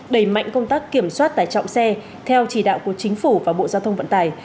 đẩy mạnh công tác kiểm soát tải trọng xe theo chỉ đạo của chính phủ và bộ giao thông vận tải